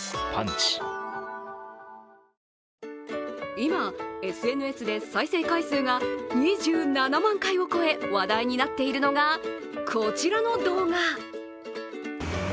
今、ＳＮＳで再生回数が２７万回を超え、話題になっているのが、こちらの動画。